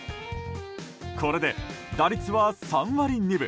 これで打率は３割２分。